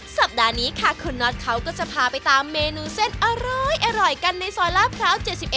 สัปดาห์นี้ค่ะคุณน็อตเขาก็จะพาไปตามเมนูเส้นอร้อยกันในซอยลาดพร้าว๗๑